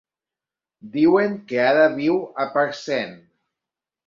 Diuen que ara viu a Parcent.